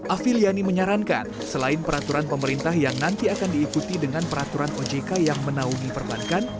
afiliani menyarankan selain peraturan pemerintah yang nanti akan diikuti dengan peraturan ojk yang menaungi perbankan